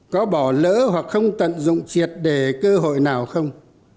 có bỏ lỡ hoặc không tận dụng triệt đề cơ hội nào không